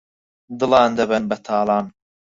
دڵان دەبەن بەتاڵان